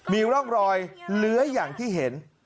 มีร่องรอยเลื้อยอย่างที่เห็น